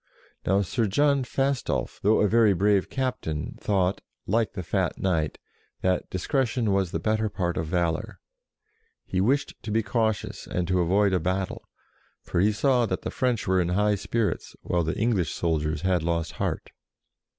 Now Sir John Fastolf, though a very brave cap tain, thought, like the fat knight, that " discretion was the better part of valour." He wished to be cautious, and to avoid a battle, for he saw that the French were in high spirits, while the English soldiers had lost heart.